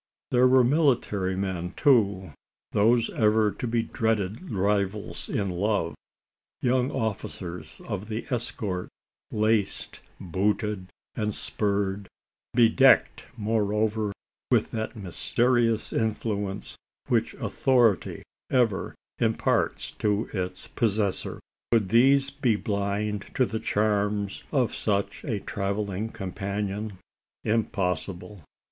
There were military men too those ever to be dreaded rivals in love young officers of the escort, laced, booted, and spurred bedecked, moreover, with that mysterious influence which authority ever imparts to its possessor. Could these be blind to the charms of such a travelling companion? Impossible.